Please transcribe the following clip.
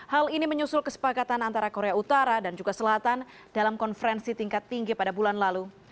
hal ini menyusul kesepakatan antara korea utara dan juga selatan dalam konferensi tingkat tinggi pada bulan lalu